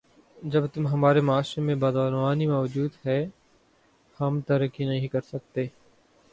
جب تم ہمارے معاشرے میں بدعنوانی موجود ہے ہم ترقی نہیں کرسکتے